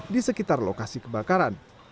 di sekitar lokasi kebakaran